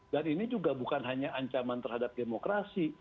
dan ini juga bukan hanya ancaman terhadap demokrasi